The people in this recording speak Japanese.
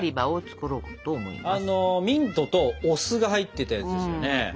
あのミントとお酢が入ってたやつですよね。